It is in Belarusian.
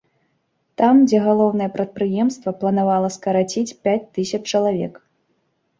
Там, дзе галоўнае прадпрыемства планавала скараціць пяць тысяч чалавек.